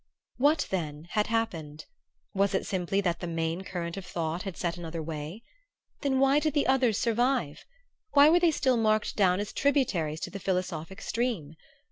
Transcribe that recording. What then had happened? Was it simply that the main current of thought had set another way? Then why did the others survive? Why were they still marked down as tributaries to the philosophic stream?